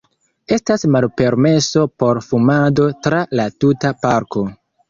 Estas malpermeso por fumado tra la tuta parko.